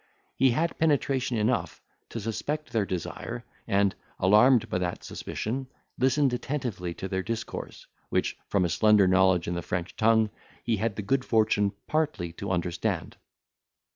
He had penetration enough to suspect their desire, and, alarmed by that suspicion, listened attentively to their discourse; which, from a slender knowledge in the French tongue, he had the good fortune partly to understand.